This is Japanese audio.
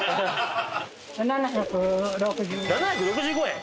７６５円？